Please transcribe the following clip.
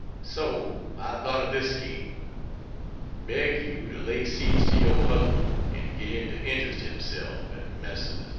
So I thought of this scheme: Beg you to lay siege to your husband and get him to interest himself and Mess.